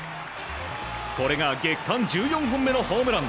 これが月間１４本目のホームラン。